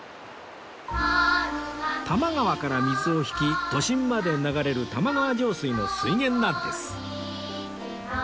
多摩川から水を引き都心まで流れる玉川上水の水源なんです